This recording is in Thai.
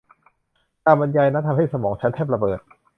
การบรรยายนั้นทำให้สมองฉันแทบระเบิด